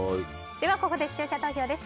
ここで、視聴者投票です。